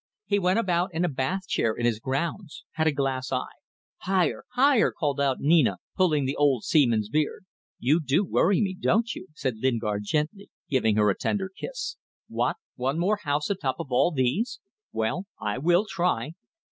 He went about in a bath chair in his grounds. Had a glass eye ..." "Higher, Higher!" called out Nina, pulling the old seaman's beard. "You do worry me don't you?" said Lingard, gently, giving her a tender kiss. "What? One more house on top of all these? Well! I will try."